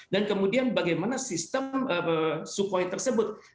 dan kemudian bagaimana sistem sukhoi tersebut